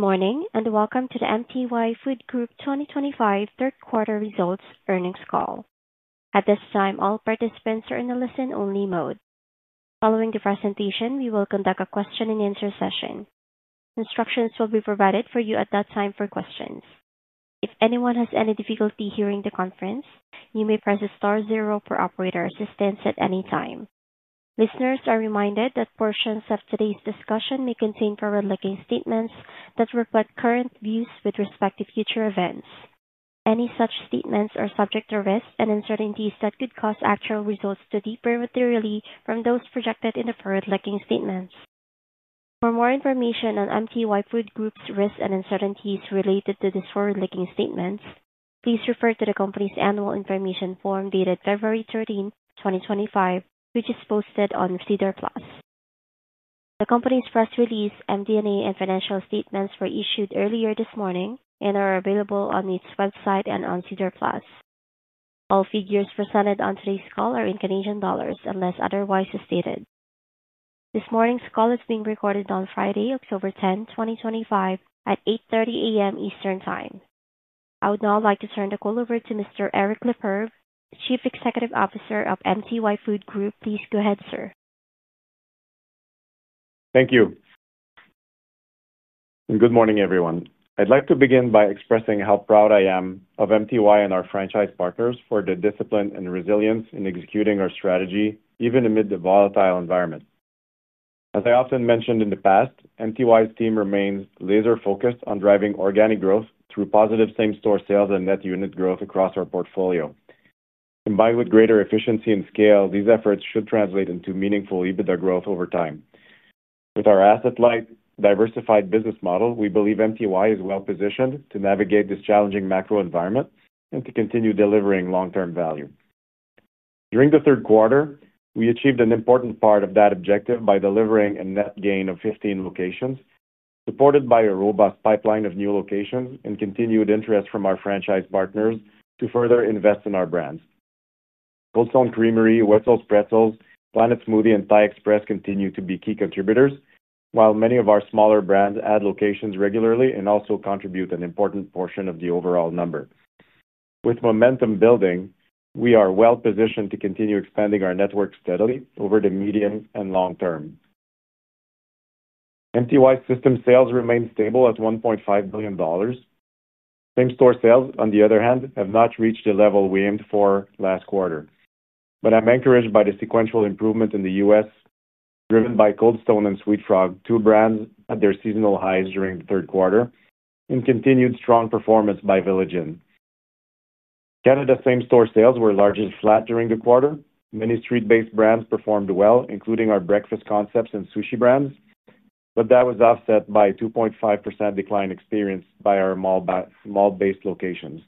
Good morning and welcome to the MTY Food Group 2025 third quarter results earnings call. At this time, all participants are in the listen-only mode. Following the presentation, we will conduct a question and answer session. Instructions will be provided for you at that time for questions. If anyone has any difficulty hearing the conference, you may press star zero for operator assistance at any time. Listeners are reminded that portions of today's discussion may contain forward-looking statements that reflect current views with respect to future events. Any such statements are subject to risks and uncertainties that could cause actual results to differ materially from those projected in the forward-looking statements. For more information on MTY Food Group's risks and uncertainties related to these forward-looking statements, please refer to the Company's Annual Information Form dated February 13, 2025, which is posted on SEDAR+ the Company's press release. MD&A and financial statements were issued earlier this morning and are available on its website and on SEDAR+. All figures presented on today's call are in Canadian dollars unless otherwise stated. This morning's call is being recorded on Friday, October 10, 2025, at 8:30 A.M. Eastern Time. I would now like to turn the call over to Mr. Eric Lefebvre, Chief Executive Officer of MTY Food Group. Please go ahead, sir. Thank you. Good morning everyone. I'd like to begin by expressing how proud I am of MTY and our franchise partners for the discipline and resilience in executing our strategy even amid the volatile environment. As I often mentioned in the past, MTY's team remains laser focused on driving organic growth through positive same store sales and net unit growth across our portfolio. Combined with greater efficiency and scale, these efforts should translate into meaningful EBITDA growth over time. With our asset light diversified business model, we believe MTY is well-positioned to navigate this challenging macro environment and to continue delivering long term value. During the third quarter, we achieved an important part of that objective by delivering a net gain of 15 locations, supported by a robust pipeline of new locations and continued interest from our franchise partners. To further invest in our brand, Cold Stone Creamery, Wetzel’s Pretzels, Planet Smoothie, and Thai Express continue to be key contributors, while many of our smaller brands add locations regularly and also contribute an important portion of the overall number. With momentum building, we are well positioned to continue expanding our network steadily over the medium and long term. MTY system sales remain stable at $1.5 billion. Same store sales, on the other hand, have not reached the level we aimed for last quarter, but I'm encouraged by the sequential improvement in the U.S. driven by Cold Stone and sweetFrog, two brands at their seasonal highs during the third quarter, and continued strong performance by Village Inn Canada. Same store sales were largely flat during the quarter. Many street based brands performed well including our Breakfast Concepts and Sushi brands, but that was offset by a 2.5% decline experienced by our mall based locations.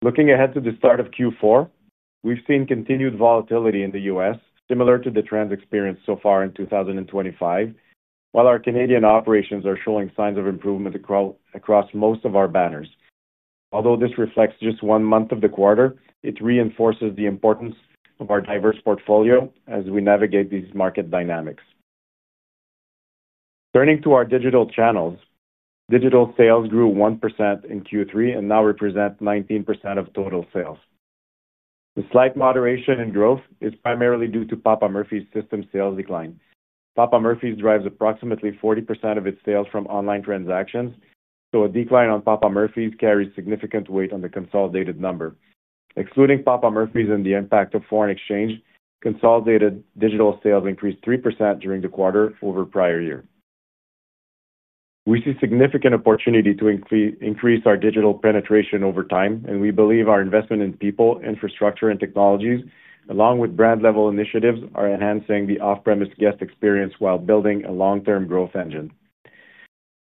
Looking ahead to the start of Q4, we've seen continued volatility in the U.S. similar to the trends experienced so far in 2025, while our Canadian operations are showing signs of improvement across most of our banners. Although this reflects just one month of the quarter, it reinforces the importance of our diverse portfolio as we navigate these market dynamics. Turning to our digital channels, digital sales grew 1% in Q3 and now represent 19% of total sales. The slight moderation in growth is primarily due to Papa Murphy’s system sales decline. Papa Murphy’s drives approximately 40% of its sales from online transactions, so a decline on Papa Murphy’s carries significant weight on the consolidated number. Excluding Papa Murphy’s and the impact of foreign exchange, consolidated digital sales increased 3% during the quarter over prior year. We see significant opportunity to increase our digital penetration over time, and we believe our investment in people, infrastructure, and technologies along with brand level initiatives are enhancing the off-premise guest experience while building a long-term growth engine.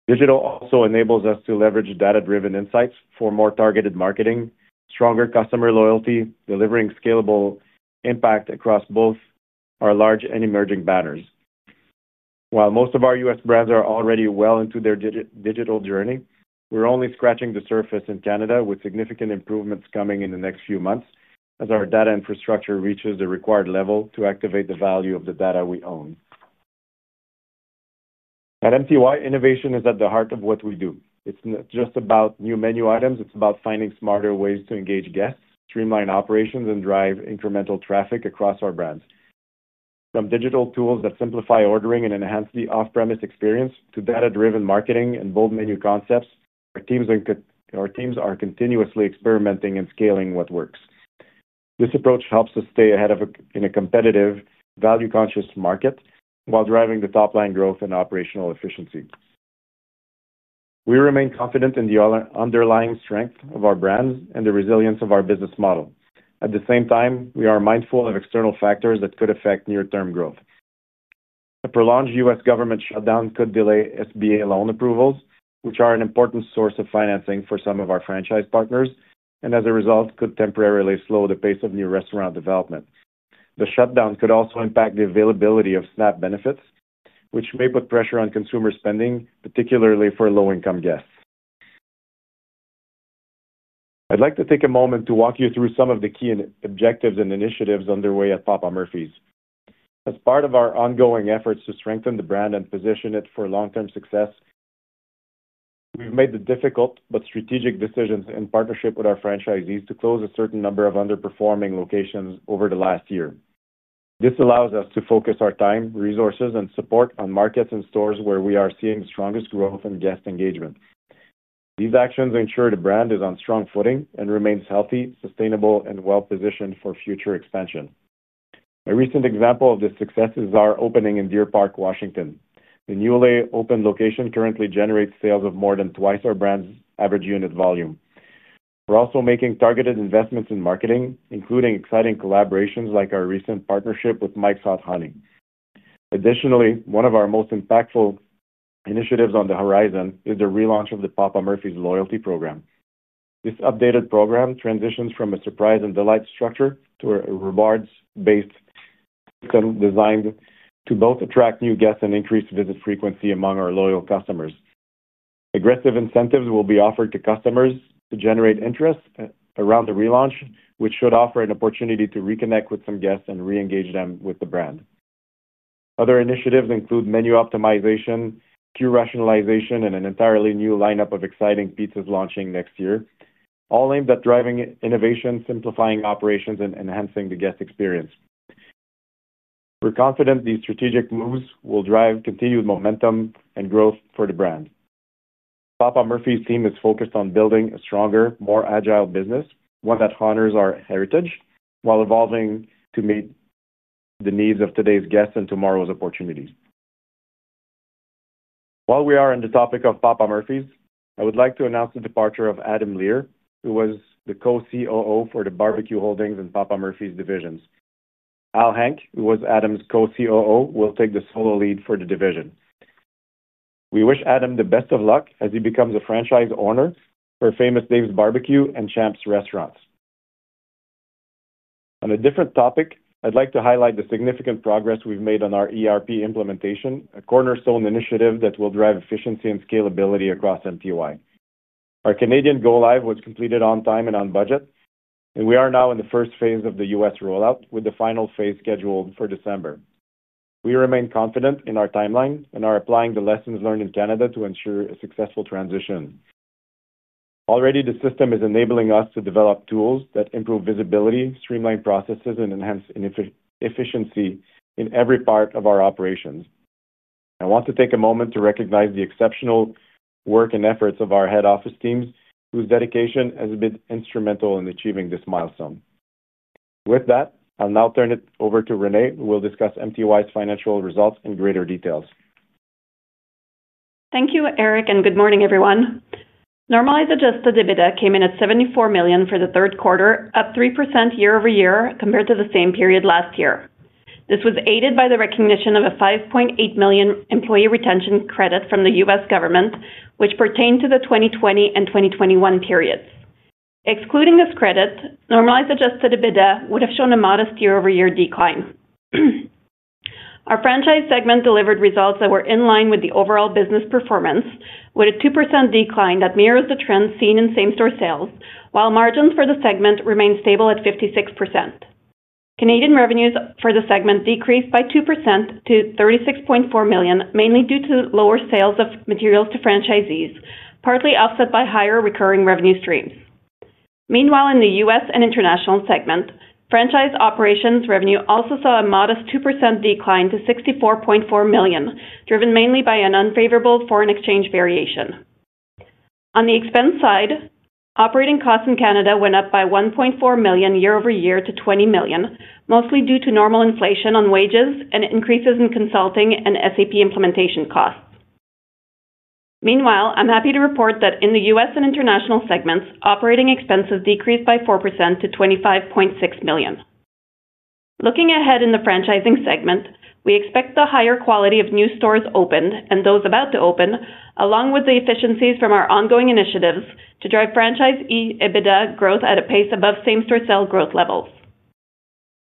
Digital also enables us to leverage data-driven insights for more targeted marketing, stronger customer loyalty, delivering scalable impact across both our large and emerging banners. While most of our U.S. brands are already well into their digital journey, we’re only scratching the surface in Canada with significant improvements coming in the next few months as our data infrastructure reaches the required level to activate the value of the data we own at MTY. Innovation is at the heart of what we do. It’s not just about new menu items, it’s about finding smarter ways to engage guests, streamline operations, and drive incremental traffic across our brands. From digital tools that simplify ordering and enhance the off-premise experience to data-driven marketing and bold menu concepts, our teams are continuously experimenting and scaling what works. This approach helps us stay ahead in a competitive, value-conscious market while driving the top line growth and operational efficiency. We remain confident in the underlying strength of our brand and the resilience of our business model. At the same time, we are mindful of external factors that could affect near-term growth. A prolonged U.S. government shutdown could delay U.S. Small Business Administration loan approvals, which are an important source of financing for some of our franchise partners, and as a result could temporarily slow the pace of new restaurant development. The shutdown could also impact the availability of SNAP benefits, which may put pressure on consumer spending, particularly for low-income guests. I’d like to take a moment to walk you through some of the key objectives and initiatives underway at Papa Murphy’s as part of our ongoing efforts to strengthen the brand and position it for long-term success. We've made the difficult but strategic decisions in partnership with our franchisees to close a certain number of underperforming locations over the last year. This allows us to focus our time, resources, and support on markets and stores where we are seeing strongest growth and guest engagement. These actions ensure the brand is on strong footing and remains healthy, sustainable, and well positioned for future expansion. A recent example of this success is our opening in Deer Park, Washington. The newly opened location currently generates sales of more than twice our brand's average unit volume. We're also making targeted investments in marketing, including exciting collaborations like our recent partnership with Mike's Hot Honey. Additionally, one of our most impactful initiatives on the horizon is the relaunch of the Papa Murphy’s Loyalty program. This updated program transitions from a surprise and delight structure to a rewards-based design to both attract new guests and increase visit frequency among our loyal customers. Aggressive incentives will be offered to customers to generate interest around the relaunch, which should offer an opportunity to reconnect with some guests and re-engage them with the brand. Other initiatives include menu optimization, queue rationalization, and an entirely new lineup of exciting pizzas launching next year, all aimed at driving innovation, simplifying operations, and enhancing the guest experience. We're confident these strategic moves will drive continued momentum and growth for the brand. Papa Murphy’s team is focused on building a stronger, more agile business, one that honors our heritage while evolving to meet the needs of today's guests and tomorrow's opportunities. While we are on the topic of Papa Murphy’s, I would like to announce the departure of Adam Lehr, who was the Co-CEO for the Barbecue Holdings and Papa Murphy’s divisions. Al Hank, who was Adam's Co-CEO, will take the solo lead for the division. We wish Adam the best of luck as he becomes a franchise owner for Famous Dave's Barbecue and Champs restaurants. On a different topic, I'd like to highlight the significant progress we've made on our ERP system implementation, a cornerstone initiative that will drive efficiency and scalability across MTY. Our Canadian go-live was completed on time and on budget, and we are now in the first phase of the U.S. rollout with the final phase scheduled for December. We remain confident in our timeline and are applying the lessons learned in Canada to ensure a successful transition. Already, the system is enabling us to develop tools that improve visibility, streamline processes, and enhance efficiency in every part of our operations. I want to take a moment to recognize the exceptional work and efforts of our head office teams, whose dedication has been instrumental in achieving this milestone. With that, I'll now turn it over to Renee, who will discuss MTY financial results in greater detail. Thank you, Eric, and good morning, everyone. Normalized adjusted EBITDA came in at $74 million for the third quarter, up 3% year-over-year compared to the same period last year. This was aided by the recognition of a $5.8 million employee retention credit from the U.S. government, which pertained to the 2020 and 2021 periods. Excluding this credit, normalized adjusted EBITDA would have shown a modest year-over-year decline. Our franchise segment delivered results that were in line with the overall business performance with a 2% decline that mirrors the trend seen in same store sales. While margins for the segment remained stable at 56%, Canadian revenues for the segment decreased by 2% to $36.4 million, mainly due to lower sales of materials to franchisees, partly offset by higher recurring revenue streams. Meanwhile, in the U.S. and international segment, franchise operations revenue also saw a modest 2% decline to $64.4 million, driven mainly by an unfavorable foreign exchange variation. On the expense side, operating costs in Canada went up by $1.4 million year-over-year to $20 million, mostly due to normal inflation on wages and increases in consulting and SAP implementation costs. Meanwhile, I'm happy to report that in the U.S. and international segments, operating expenses decreased by 4% to $25.6 million. Looking ahead in the franchising segment, we expect the higher quality of new stores opened and those about to open, along with the efficiencies from our ongoing initiatives, to drive franchisee EBITDA growth at a pace above same store sale growth levels.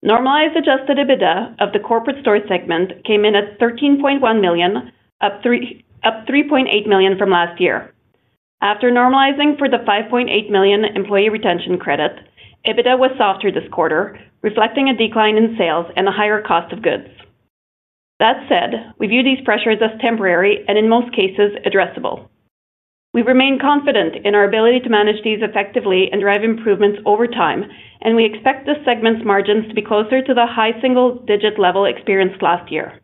Normalized adjusted EBITDA of the corporate store segment came in at $13.1 million, up $3.8 million from last year. After normalizing for the $5.8 million employee retention credit, our EBITDA was softer this quarter, reflecting a decline in sales and a higher cost of goods. That said, we view these pressures as temporary and in most cases addressable. We remain confident in our ability to manage these effectively and drive improvements over time, and we expect this segment's margins to be closer to the high single digit level experienced last year.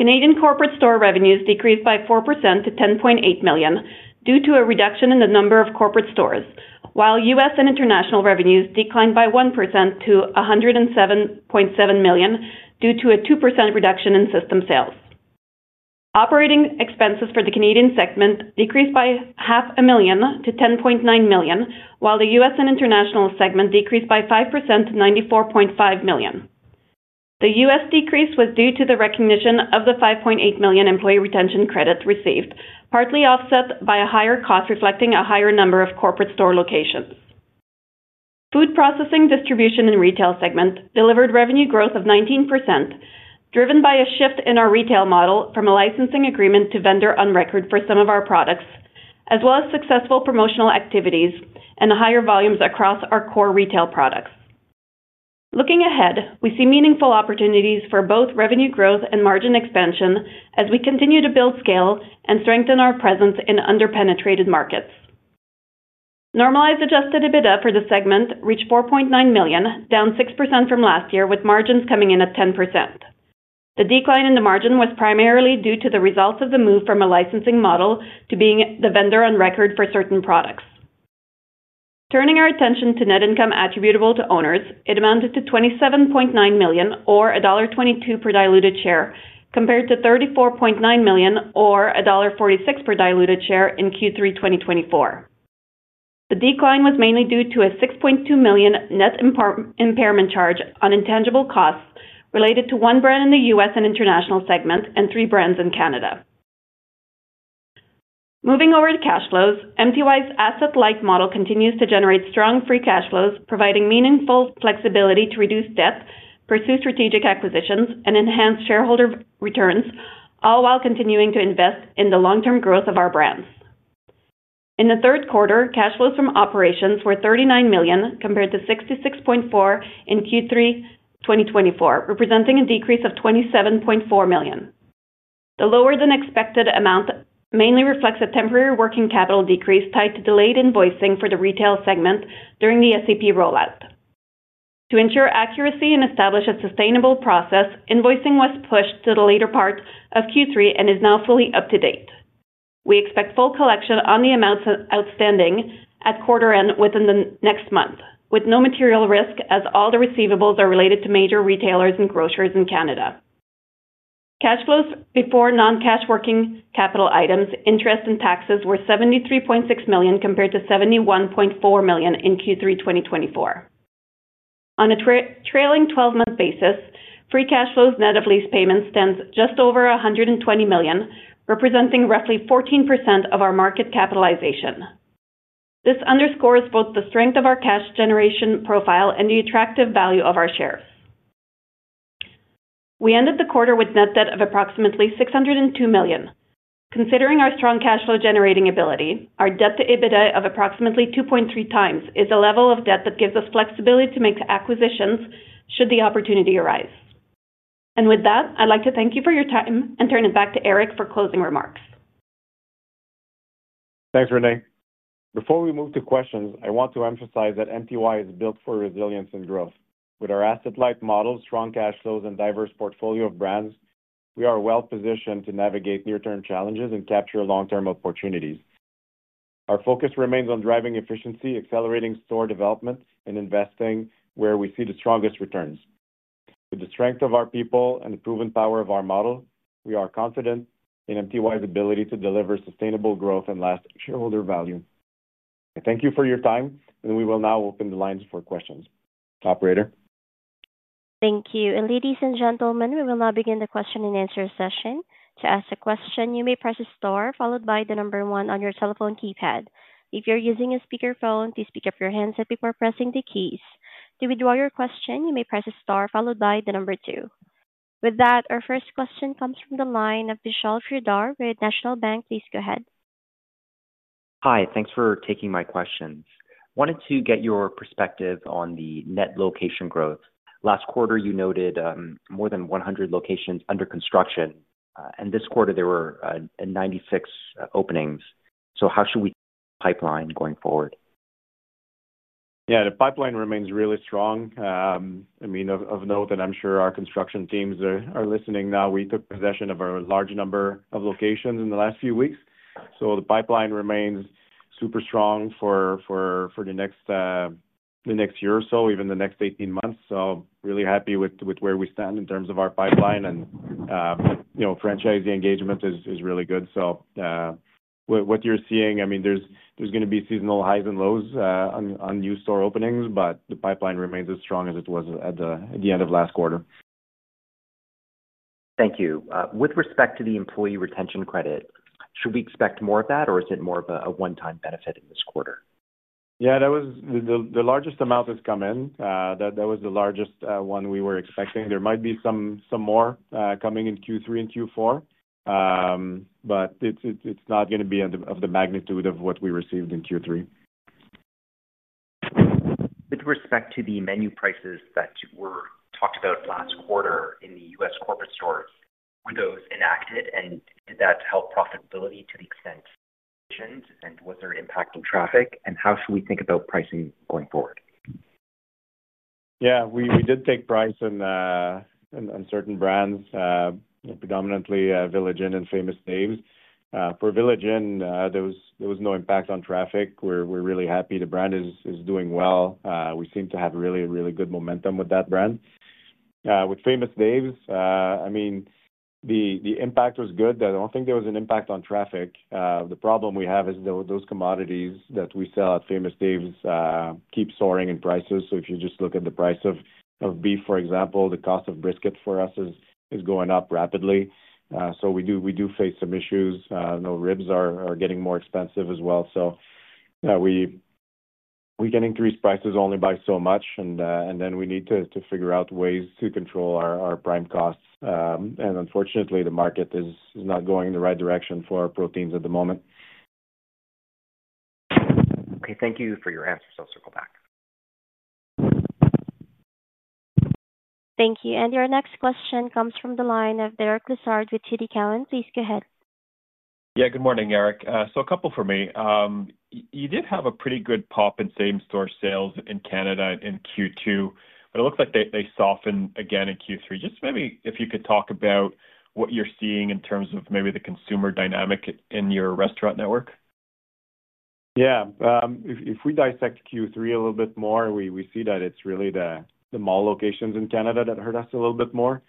Canadian corporate store revenues decreased by 4% to $10.8 million due to a reduction in the number of corporate stores, while U.S. and international revenues declined by 1% to $107.7 million due to a 2% reduction in system sales. Operating expenses for the Canadian segment decreased by half a million to $10.9 million, while the U.S. and international segment decreased by 5% to $94.5 million. The U.S. decrease was due to the recognition of the $5.8 million employee retention credit received, partly offset by a higher cost reflecting a higher number of corporate store locations. Food processing, distribution, and retail segment delivered revenue growth of 19% driven by a shift in our retail model from a licensing agreement to vendor-on-record for some of our products, as well as successful promotional activities and higher volumes across our core retail products. Looking ahead, we see meaningful opportunities for both revenue growth and margin expansion as we continue to build, scale, and strengthen our presence in underpenetrated markets. Normalized adjusted EBITDA for the segment reached $4.9 million, down 6% from last year, with margins coming in at 10%. The decline in the margin was primarily due to the results of the move from a licensing model to being the vendor-on-record for certain products. Turning our attention to net income attributable to owners, it amounted to $27.9 million or $1.22 per diluted share, compared to $34.9 million or $1.46 per diluted share in Q3 2024. The decline was mainly due to a $6.2 million net impairment charge on intangible costs related to one brand in the U.S. and international segment and three brands in Canada. Moving over to cash flows, MTY's asset-light model continues to generate strong free cash flows, providing meaningful flexibility to reduce debt, pursue strategic acquisitions, and enhance shareholder returns, all while continuing to invest in the long-term growth of our brands. In the third quarter, cash flows from operations were $39 million compared to $66.4 million in Q3 2024, representing a decrease of $27.4 million. The lower-than-expected amount mainly reflects a temporary working capital decrease tied to delayed invoicing for the retail segment during the SAP rollout to ensure accuracy and establish a sustainable process. Invoicing was pushed to the later part of Q3 and is now fully up to date. We expect full collection on the amounts outstanding at quarter end within the next month with no material risk as all the receivables are related to major retailers and grocers in Canada. Cash flows before non-cash working capital items, interest, and taxes were $73.6 million compared to $71.4 million in Q3 2024. On a trailing twelve month basis, free cash flow net of lease payments stands just over $120 million, representing roughly 14% of our market capitalization. This underscores both the strength of our cash generation profile and the attractive value of our shares. We ended the quarter with net debt of approximately $602 million. Considering our strong cash flow generating ability, our debt-to-EBITDA of approximately 2.3x is a level of debt that gives us flexibility to make acquisitions should the opportunity arise. I'd like to thank you for your time and turn it back to Eric for closing remarks. Thanks Renee. Before we move to questions, I want to emphasize that MTY is built for resilience and growth. With our asset light models, strong cash flows, and diverse portfolio of brands, we are well positioned to navigate near term challenges and capture long term opportunities. Our focus remains on driving efficiency, accelerating store development, and investing where we see the strongest returns. With the strength of our people and the proven power of our model, we are confident in MTY's ability to deliver sustainable growth and last shareholder value. Thank you for your time and we will now open the lines for questions. Operator. Thank you, ladies and gentlemen. We will now begin the question-and-answer session. To ask a question, you may press star followed by the number one on your cell phone keypad. If you're using a speakerphone, please pick up your handset before pressing the keys. To withdraw your question, you may press star followed by the number two. Our first question comes from the line of Vishal Shreedhar with National Bank. Please go ahead. Hi, thanks for taking my questions. Wanted to get your perspective on the net location growth. Last quarter you noted more than 100 locations under construction, and this quarter there were 96 openings. How should we pipeline going forward? Yeah, the pipeline remains really strong. Of note, I'm sure our construction teams are listening now. We took possession of a large number of locations in the last few weeks. The pipeline remains super strong for the next year or so, even the next 18 months. Really happy with where we stand in terms of our pipeline, and franchisee engagement is really good. What you're seeing, there's going to be seasonal highs and lows on new store openings, but the pipeline remains as strong as it was at the end of last quarter. Thank you. With respect to the employee retention credit, should we expect more of that or is it more of a one-time benefit in this quarter? Yeah, that was the largest amount that has come in. That was the largest one. We were expecting there might be some more coming in Q3 and Q4, but it's not going to be of the magnitude of what we received in Q3. With respect to the menu prices that were talked about last quarter in the U.S. corporate stores, were those enacted and did that help profitability to the extent? Was there impact in traffic and how should we think about pricing going forward? Yeah, we did take pricing in certain brands, predominantly Village Inn and Famous Dave's. For Village Inn, there was no impact on traffic. We're really happy the brand is doing well. We seem to have really, really good momentum with that brand. With Famous Dave's, the impact was good. I don't think there was an impact on traffic. The problem we have is those commodities that we sell at Famous Dave's keep soaring in prices. If you just look at the price of beef, for example, the cost of brisket for us is going up rapidly. We do face some issues. The ribs are getting more expensive as well. We can increase prices only by so much, and we need to figure out ways to control our prime costs. Unfortunately, the market is not going in the right direction for our proteins at the moment. Okay, thank you for your answers. I'll circle back. Thank you. Your next question comes from the line of Derek Lessard with TD Cowen. Please go ahead. Yeah, good morning, Eric. So a couple for me, you did have a pretty good pop in same store sales in Canada in Q2, but it looks like they softened again in Q3. Just maybe if you could talk about what you're seeing in terms of maybe the consumer dynamic in your restaurant network. Yeah. If we dissect Q3 a little bit more, we see that it's really the mall locations in Canada that hurt us a little bit more.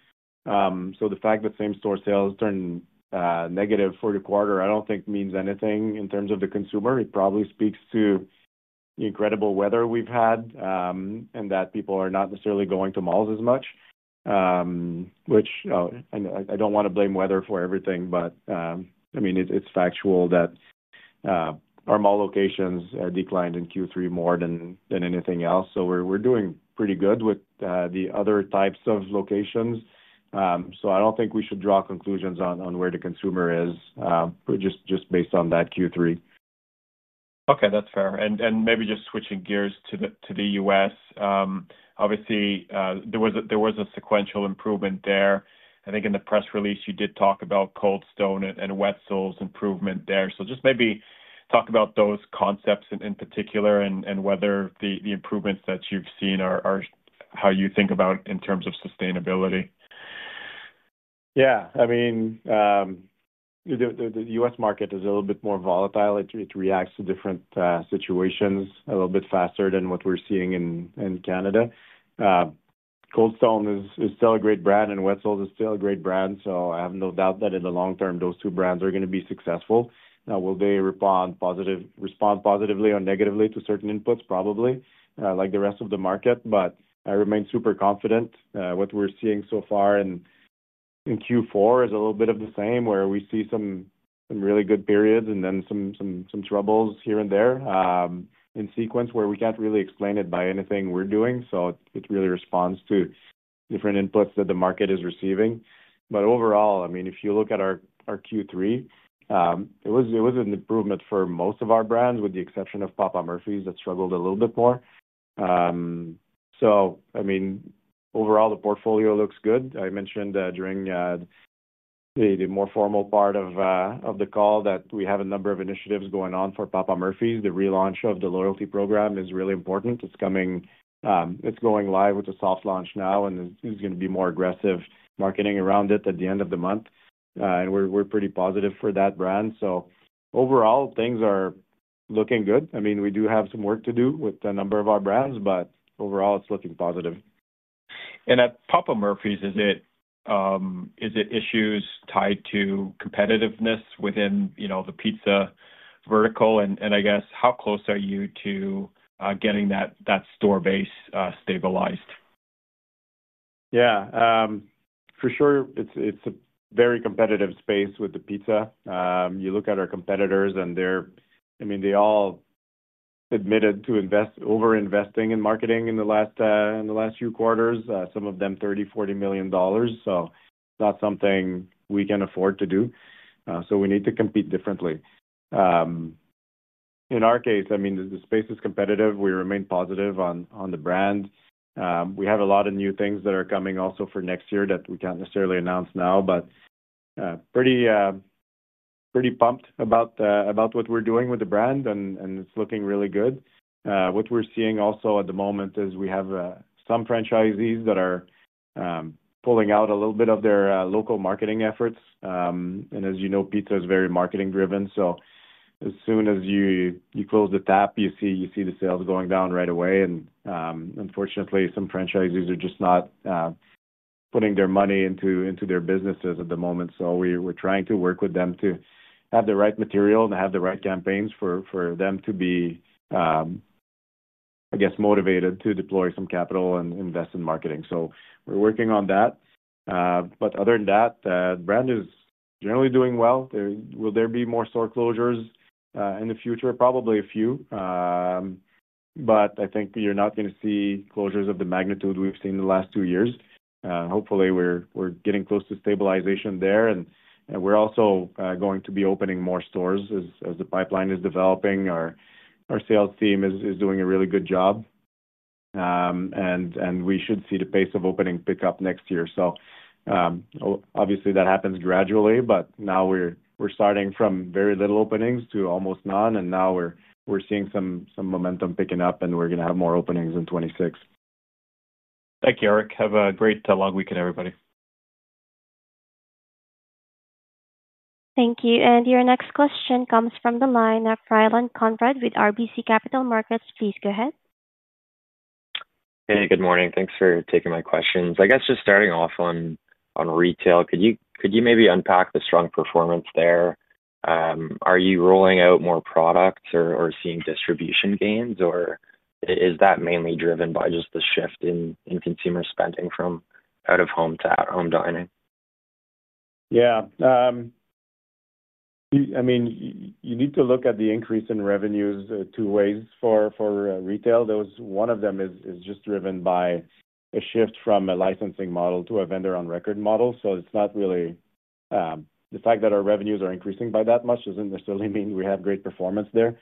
The fact that same store sales turned negative for the quarter, I don't think means anything in terms of the consumer. It probably speaks to the incredible weather we've had and that people are not necessarily going to malls as much, which I don't want to blame weather for everything, but I mean, it's factual that our mall locations declined in Q3 more than anything else. We're doing pretty good with the other types of locations. I don't think we should draw conclusions on where the consumer is just based on that Q3. Okay, that's fair. Maybe just switching gears to the U.S. Obviously there was a sequential improvement there. I think in the press release you did talk about Cold Stone and Wetzel’s improvement there. Just maybe talk about those concepts in particular and whether the improvements that you've seen are how you think about in terms of sustainability. Yeah, I mean the U.S. market is a little bit more volatile. It reacts to different situations a little bit faster than what we're seeing in Canada. Cold Stone is still a great brand and Wetzel’s Pretzels is still a great brand. I have no doubt that in the long term those two brands are going to be successful. Now will they respond positively or negatively to certain inputs? Probably like the rest of the market, but I remain super confident. What we're seeing so far and in Q4 is a little bit of the same where we see some really good periods and then some troubles here and there in sequence where we can't really explain it by anything we're doing. It really responds to different inputs that the market is receiving. Overall, if you look at our Q3, it was an improvement for most of our brands with the exception of Papa Murphy’s that struggled a little bit more. Overall the portfolio looks good. I mentioned during the more formal part of the call that we have a number of initiatives going on for Papa Murphy’s. The relaunch of the loyalty program is really important. It's coming, it's going live with a soft launch now, and there's going to be more aggressive marketing around it at the end of the month, and we're pretty positive for that brand. Overall, things are looking good. We do have some work to do with a number of our brands, but overall it's looking positive. At Papa Murphy’s, is it issues tied to competitiveness within, you know, the pizza vertical, and I guess how close are you to getting that store base stabilized? Yeah, for sure. It's a very competitive space with the pizza. You look at our competitors, and they all admitted to over-investing in marketing in the last few quarters, some of them $30 million, $40 million. Not something we can afford to do, so we need to compete differently. In our case, the space is competitive. We remain positive on the brand. We have a lot of new things that are coming also for next year that we can't necessarily announce now, but pretty pumped about what we're doing with the brand, and it's looking really good. What we're seeing also at the moment is we have some franchisees that are pulling out a little bit of their local marketing efforts, and as you know, pizza is very marketing driven. As soon as you close the tap, you see the sales going down right away. Unfortunately, some franchisees are just not putting their money into their businesses at the moment. We are trying to work with them to have the right material and have the right campaigns for them to be, I guess, motivated to deploy some capital and invest in marketing. We're working on that. Other than that, the brand is generally doing well. Will there be more store closures in the future? Probably a few, but I think you're not going to see closures of the magnitude we've seen the last two years. Hopefully, we're getting close to stabilization there, and we're also going to be opening more stores as the pipeline is developing. Our sales team is doing a really good job, and we should see the pace of opening pick up next year. Obviously, that happens gradually, but now we're starting from very little openings to almost none, and now we're seeing some momentum picking up, and we're going to have more openings in 2026. Thank you, Eric. Have a great long weekend everybody. Thank you. Your next question comes from the line of Ryland Conrad with RBC Capital Markets. Please go ahead. Hey, good morning. Thanks for taking my questions. I guess just starting off on retail, could you maybe unpack the strong performance there? Are you rolling out more products or seeing distribution gains? Is that mainly driven by just the shift in consumer spending from out of home to at home dining? Yeah. You need to look at the increase in revenues two ways for retail. One of them is just driven by a shift from a licensing model to a vendor-on-record model. It's not really the fact that our revenues are increasing by that much, doesn't necessarily mean we have great performance there,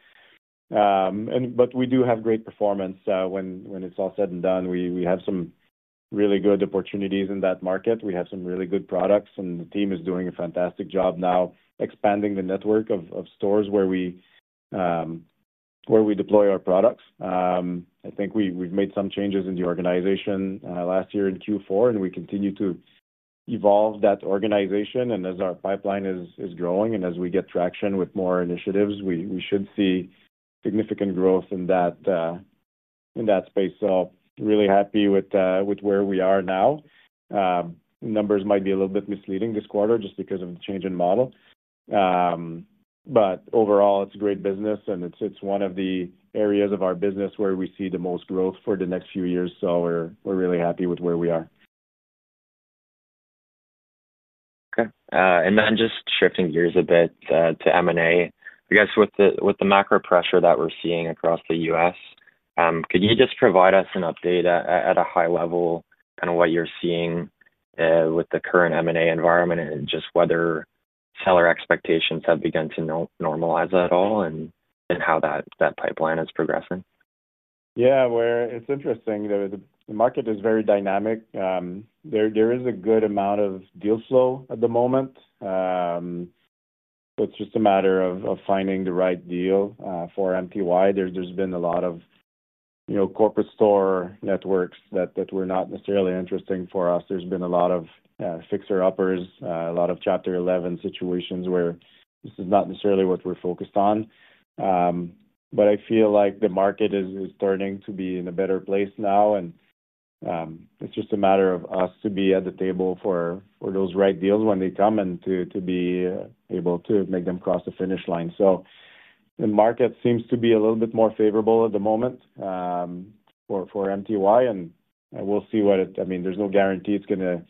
but we do have great performance when it's all said and done. We have some really good opportunities in that market. We have some really good products, and the team is doing a fantastic job now expanding the network of stores where we deploy our products. I think we've made some changes in the organization last year in Q4, and we continue to evolve that organization. As our pipeline is growing and as we get traction with more initiatives, we should see significant growth in that space. Really happy with where we are now. Numbers might be a little bit misleading this quarter just because of the change in model. Overall, it's a great business, and it's one of the areas of our business where we see the most growth for the next few years. We're really happy with where we are. Okay. Just shifting gears a bit to M&A, with the macro pressure that we're seeing across the U.S., could you provide us an update at a high level on what you're seeing with the current M&A environment and whether seller expectations have begun to normalize at all, and how that pipeline is progressing? Yeah, where it's interesting, the market is very dynamic. There is a good amount of deal flow at the moment. It's just a matter of finding the right deal for MTY. There's been a lot of, you know, corporate store networks that were not necessarily interesting for us. There's been a lot of fixer uppers, a lot of Chapter 11 situations where this is not necessarily what we're focused on. I feel like the market is starting to be in a better place now and it's just a matter of us to be at the table for those right deals when they come and to be able to make them cross the finish line. The market seems to be a little bit more favorable at the moment for MTY and we'll see what it, I mean there's no guarantee it's going to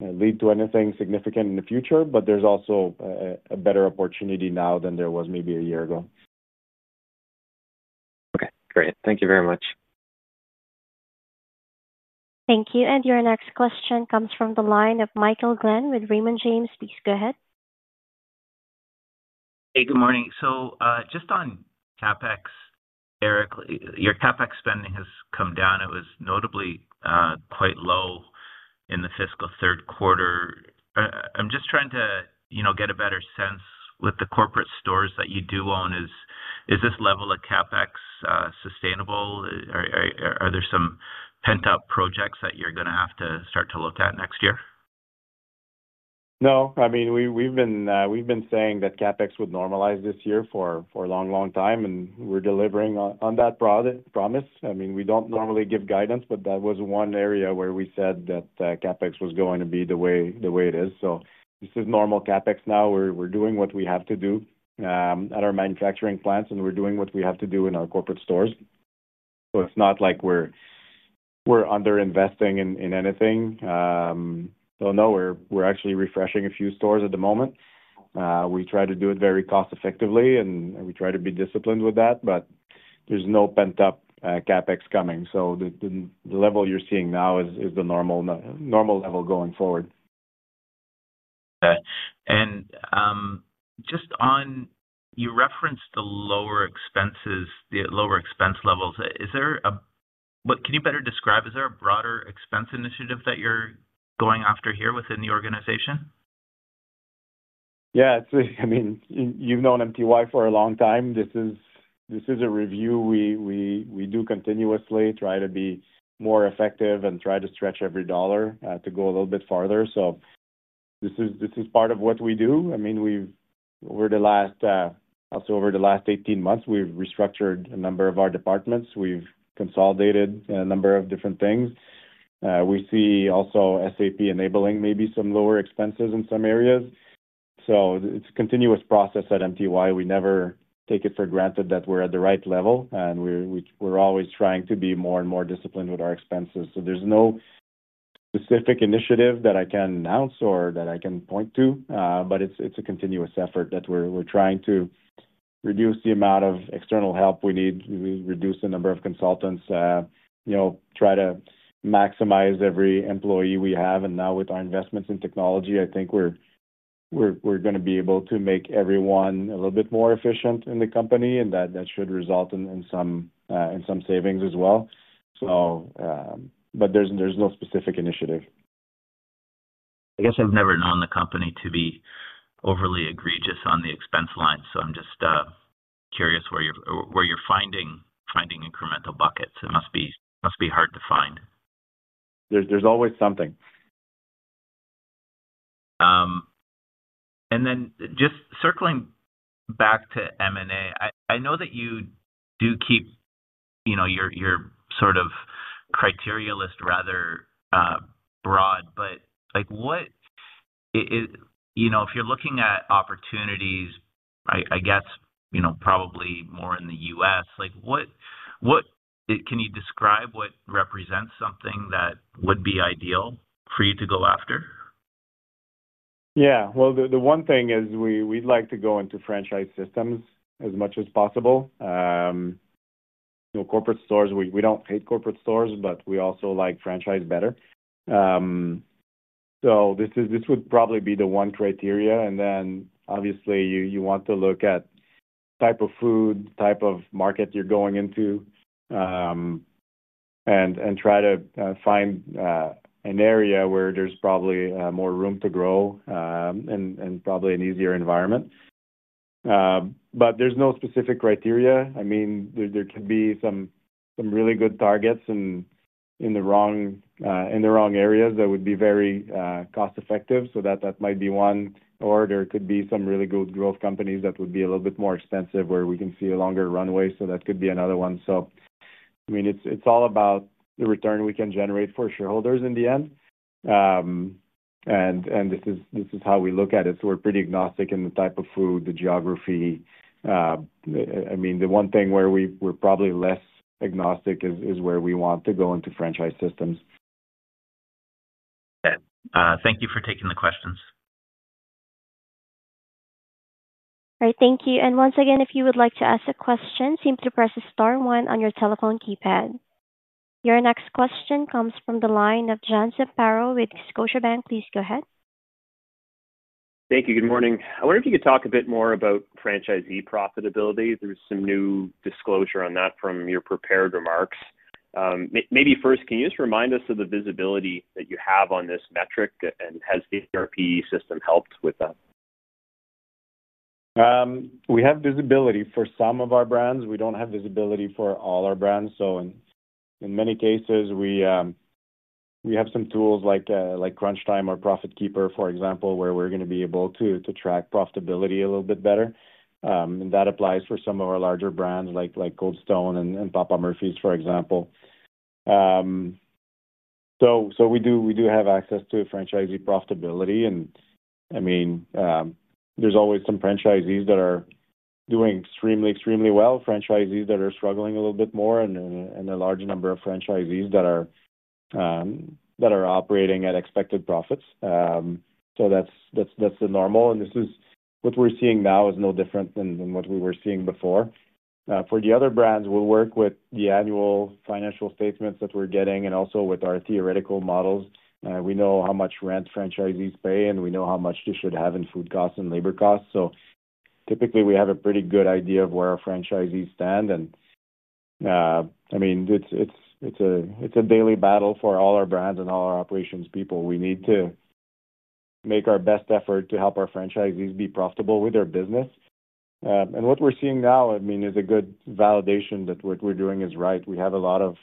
lead to anything significant in the future, but there's also a better opportunity now than there was maybe a year ago. Okay, great. Thank you very much. Thank you. Your next question comes from the line of Michael Glenn with Raymond James. Please go ahead. Hey, good morning. On CapEx, Eric, your CapEx spending has come down. It was notably quite low in the fiscal third quarter. I'm just trying to get a better sense with the corporate stores that you do own. Is this level of CapEx sustainable? Are there some pent up projects that you're going to have to start to look at next year? No, I mean we've been saying that CapEx would normalize this year for a long, long time and we're delivering on that product promise. I mean we don't normally give guidance, but that was one area where we said that CapEx was going to be the way it is. This is normal CapEx. Now we're doing what we have to do at our manufacturing plants and we're doing what we have to do in our corporate stores. It's not like we're under investing in anything. We're actually refreshing a few stores at the moment. We try to do it very cost effectively and we try to be disciplined with that, but there's no pent up CapEx coming. The level you're seeing now is the normal level going forward. Okay. On you referenced the lower expenses, the lower expense levels, is there a, what can you better describe? Is there a broader expense initiative that you're going after here within the organization? Yeah, I mean you've known MTY Food Group for a long time. This is a review. We do continuously try to be more effective and try to stretch every dollar to go a little bit farther. This is part of what we do. I mean over the last 18 months we've restructured a number of our departments, we've consolidated a number of different things. We see also SAP enabling maybe some lower expenses in some areas. It is a continuous process. At MTY Food Group we never take it for granted that we're at the right level and we are always trying to be more and more disciplined with our expenses. There is no specific initiative that I can announce or that I can point to, but it is a continuous effort that we're trying to reduce the amount of external help we need. We reduce the number of consultants, try to maximize every employee we have. Now with our investments in technology, I think we're going to be able to make everyone a little bit more efficient in the company and that should result in some savings as well. There is no specific initiative. I guess I've never known the company to be overly egregious on the expense line. I'm just curious where you're finding incremental buckets. It must be hard to find. There's always something. Just circling back to M&A, I know that you do keep your sort of criteria list rather broad. If you're looking at opportunities, probably more in the U.S., can you describe what represents something that would be ideal for you to go after? Yeah, the one thing is we like to go into franchise systems as much as possible. You know, corporate stores. We don't hate corporate stores, but we also like franchise better. This would probably be the one criteria, and then obviously you want to look at type of food, type of market you're going into, and try to find an area where there's probably more room to grow and probably an easier environment, but there's no specific criteria. I mean, there could be some really good targets in the wrong areas that would be very cost effective, so that might be one. There could be some really good growth companies that would be a little bit more expensive, where we can see a longer runway, so that could be another one. I mean, it's all about the return we can generate for shareholders in the end. This is how we look at it. We're pretty agnostic in the type of food, the geography. The one thing where we are probably less agnostic is where we want to go into franchise systems. Thank you for taking the questions. All right, thank you. If you would like to ask a question, simply press the Star 1 on your telephone keypad. Your next question comes from the line of John Zamparo with Scotiabank. Please go ahead. Thank you. Good morning. I wonder if you could talk a bit. Bit more about franchisee profitability. There was some new disclosure on that. From your prepared remarks. Maybe first, can you just remind us of the visibility that you have on this metric, and has the ERP system helped with that? We have visibility for some of our brands. We don't have visibility for all our brands. In many cases, we have some tools like Crunchtime or Profit Keeper, for example, where we're going to be able to track profitability a little bit better. That applies for some of our larger brands like Cold Stone and Papa Murphy’s, for example. We do have access to franchisee profitability. There are always some franchisees that are doing extremely, extremely well, franchisees that are struggling a little bit more, and a large number of franchisees that are operating at expected profits. That's the normal. What we're seeing now is no different than what we were seeing before. For the other brands, we work with the annual financial statements that we're getting and also with our theoretical models. We know how much rent franchisees pay and we know how much they should have in food costs and labor costs. Typically, we have a pretty good idea of where our franchisees stand. It's a daily battle for all our brands and all our operations people. We need to make our best effort to help our franchisees be profitable with their business and what we're seeing now is a good validation that what we're doing is right. We have a lot of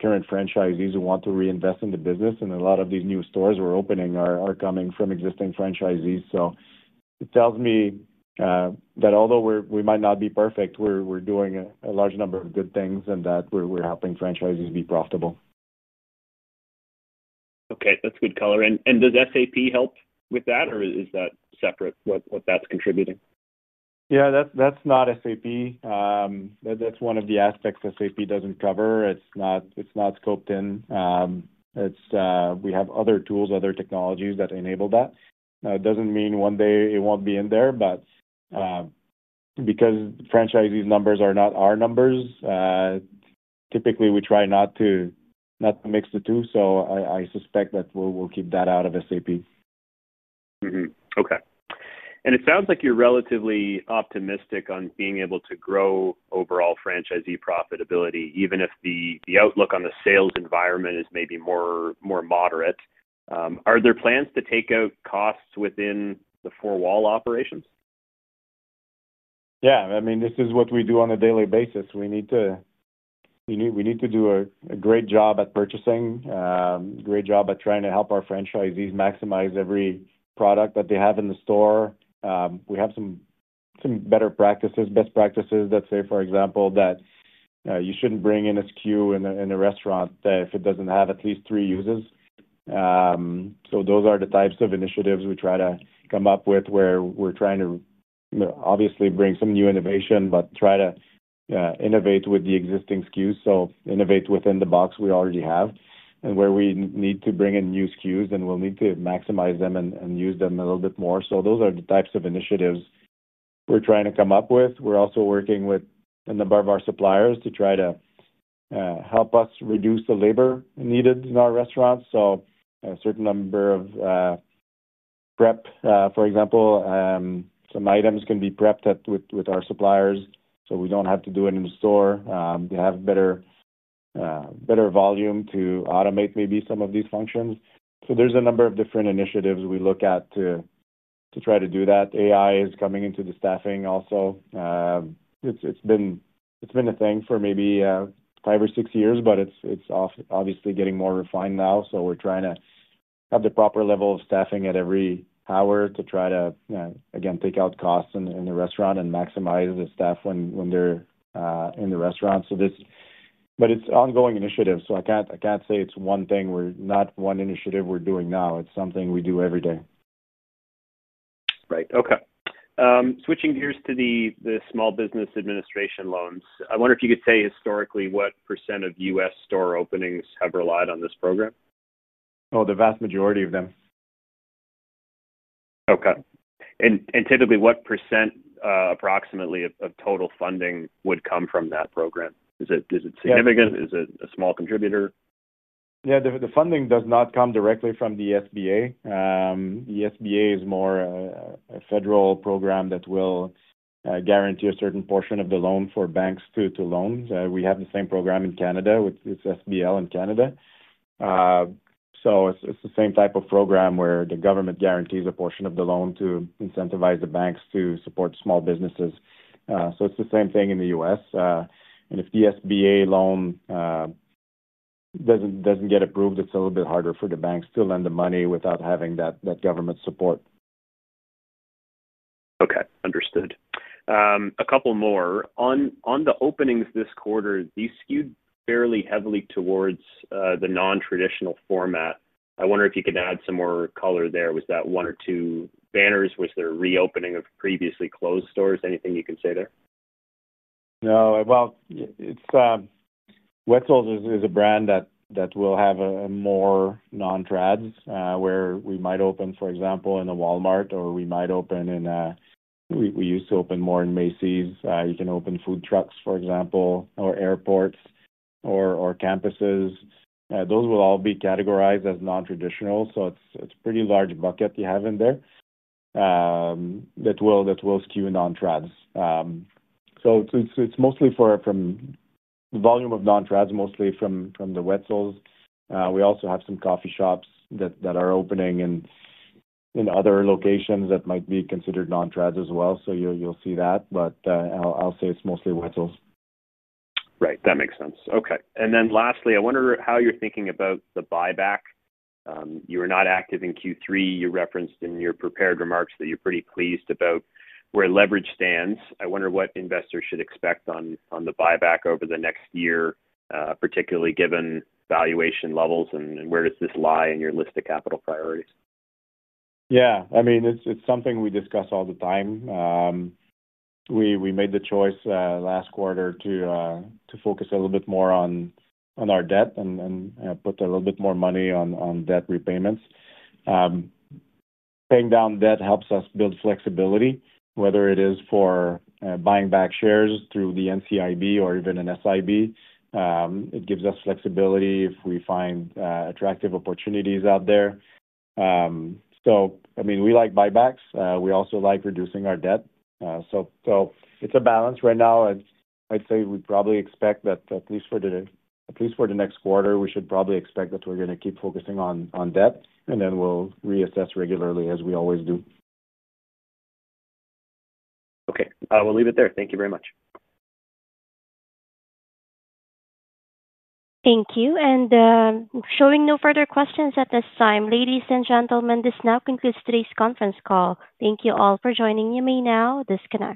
current franchisees who want to reinvest in the business, and a lot of these new stores we're opening are coming from existing franchisees. It tells me that although we might not be perfect, we're doing a large number of good things and that we're helping franchisees be profitable. Okay, that's good color. Does SAP help with that, or is that separate what that's contributing? Yeah, that's not SAP. That's one of the aspects SAP doesn't cover. It's not scoped in. We have other tools, other technologies that enable that. It doesn't mean one day it won't be in there. Because franchisees' numbers are not our numbers, typically we try not to mix the two. I suspect that we'll keep that out of SAP. Okay, and it sounds like you're relatively optimistic on being able to grow overall franchisee profitability, even if the outlook on the sales environment is maybe more moderate. Are there plans to take out costs within the four wall operations? Yeah, I mean, this is what we do on a daily basis. We need to do a great job at purchasing, great job at trying to help our franchisees maximize every product that they have in the store. We have some better practices, best practices that say, for example, that you shouldn't bring in a SKU in a restaurant if it doesn't have at least three uses. Those are the types of initiatives we try to come up with where we're trying to obviously bring some new innovation, but try to innovate with the existing SKUs. We innovate within the box we already have and where we need to bring in new SKUs, we'll try to maximize them and use them a little bit more. Those are the types of initiatives we're trying to come up with. We're also working with a number of our suppliers to try to help us reduce the labor needed in our restaurants. A certain number of prep, for example, some items can be prepped with our suppliers so we don't have to do it in store. They have better volume to automate maybe some of these functions. There are a number of different initiatives we look at to try to do that. AI is coming into the staffing also. It's been a thing for maybe five or six years, but it's obviously getting more refined now. We're trying to have the proper level of staffing at every hour to try to again, take out costs in the restaurant and maximize the staff when they're in the restaurant. So this. It's ongoing initiatives, so I can't say it's one thing. We're not one initiative we're doing now. It's something we do every day. Right. Okay. Switching gears to theSmall Business Administration loans, I wonder if you could say historically, what percent of U.S. store openings have relied on this program? Oh, the vast majority of them. Okay. What percentage approximately of total funding would come from that program? Is it significant? Is it a small contributor? Yeah, the funding does not come directly from the SBA. The SBA is more a federal program that will guarantee a certain portion of the loan for banks to loans. We have the same program in Canada. It's SBL in Canada. It's the same type of program where the government guarantees a portion of the loan to incentivize the banks to support small businesses. It's the same thing in the U.S., and if the SBA loan doesn't get approved, it's a little bit harder for the banks to lend the money without having that government support. Okay, understood. A couple more on the openings this quarter. These skewed fairly heavily towards the non-traditional format. I wonder if you could add some more color there. Was that one or two banners? Was there reopening of previously closed stores? Anything you can say there? No. It's Wetzel’s Pretzels, a brand that will have more non-traditionals where we might open, for example, in a Walmart or we might open, and we used to open more in Macy's. You can open food trucks, for example, or airports or campuses. Those will all be categorized as non-traditional. It's a pretty large bucket you have. In there. That will skew non trads. It's mostly from the volume of non trads, mostly from the Wetzel’s. We also have some coffee shops that are opening in other locations that might be considered non trads as well. You'll see that. I'll say it's mostly Wetzel’s. Right, that makes sense. Okay. Lastly, I wonder how you're thinking about the buyback. You were not active in Q3. You referenced in your prepared remarks that you're pretty pleased about where leverage stands. I wonder what investors should expect on the buyback over the next year, particularly given valuation levels. Where does this lie in your list of capital priorities? Yeah, I mean, it's something we discuss all the time. We made the choice last quarter to focus a little bit more on our debt and put a little bit more money on debt repayments. Paying down debt helps us build flexibility, whether it is for buying back shares through the NCIB or even an SIB. It gives us flexibility if we find attractive opportunities out there. I mean, we like buybacks. We also like reducing our debt. It's a balance right now. I'd say we probably expect that, at least for the next quarter, we should probably expect that we're going to keep focusing on debt and then we'll reassess regularly as we always do. Okay, we'll leave it there. Thank you very much. Thank you. Showing no further questions at this time, ladies and gentlemen, this now concludes today's conference call. Thank you all for joining. You may now disconnect.